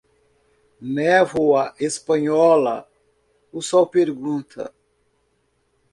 Névoa espanhola, o sol pergunta.